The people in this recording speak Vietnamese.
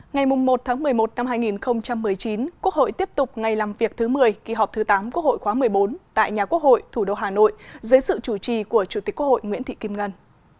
ngày một một mươi một năm hai nghìn một mươi chín quốc hội tiếp tục ngày làm việc thứ một mươi kỳ họp thứ tám quốc hội khóa một mươi bốn tại nhà quốc hội thủ đô hà nội dưới sự chủ trì của chủ tịch quốc hội nguyễn thị kim ngân